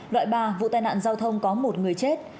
loại ba vụ tai nạn giao thông có một người chết